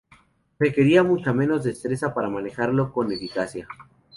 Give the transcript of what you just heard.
Requería mucha menos destreza para manejarlo con eficacia.